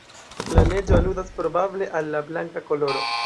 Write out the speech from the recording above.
La neĝo aludas probable al la blanka koloro.